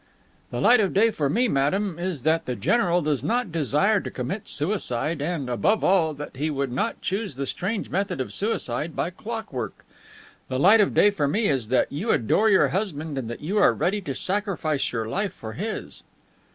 The light of day for me, madame, is that the general does not desire to commit suicide and, above all, that he would not choose the strange method of suicide by clockwork. The light of day for me is that you adore your husband and that you are ready to sacrifice your life for his."